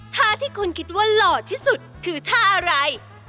ท่าที่คุณคิดว่าหล่อที่สุดคือท่าอะไร